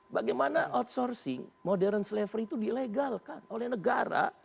bagaimana outsourcing modern slavery itu dilegalkan oleh negara